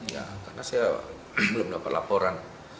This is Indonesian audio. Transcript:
ya karena saya belum dapat laporan